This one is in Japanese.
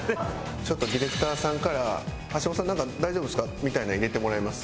ちょっとディレクターさんから「橋本さんなんか大丈夫ですか？」みたいなん入れてもらいます？